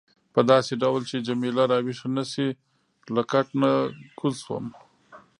په داسې ډول چې جميله راویښه نه شي له کټ نه کوز شوم.